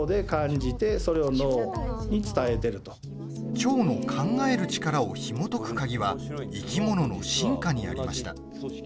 腸の「考える力」をひもとく鍵は生き物の進化にありました。